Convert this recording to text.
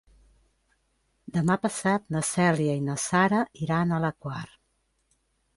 Demà passat na Cèlia i na Sara iran a la Quar.